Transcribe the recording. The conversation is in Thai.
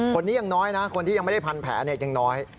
คนนี้ยังน้อยนะคนที่ยังไม่ได้พันแผลยังน้อย